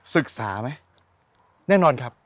ศึกษาไหมแน่นอนครับ